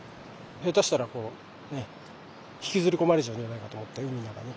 下手したら引きずり込まれちゃうんじゃないかと思って海の中に。